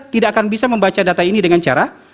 tidak akan bisa membaca data ini dengan cara